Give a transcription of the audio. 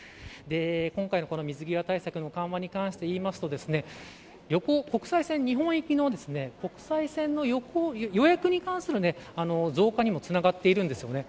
今回の水際対策の緩和に関して言うと国際線、日本行きの予約に関する増加にもつながっているんですよね。